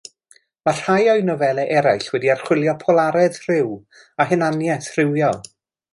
Mae rhai o'i nofelau eraill wedi archwilio polaredd rhyw a hunaniaeth rywiol.